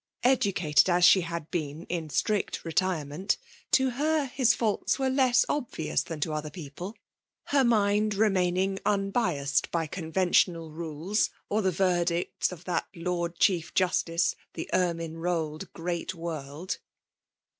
Educated as she had been in strict retirement, to her his faults \rerc less obvious than to other people ; her mind remaining unbiassed by conventional rules or the verdicts of that Lord Chief Justice, — ih^ ermine roUed Great World.